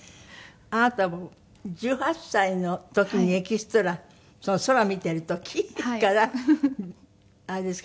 あなた１８歳の時にエキストラその空見ている時？からあれですか？